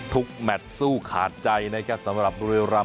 ทุกแมตซูคาดใจนะครับสำหรับบุรีรัมย์